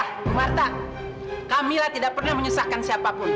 bumarta kamila tidak pernah menyusahkan siapapun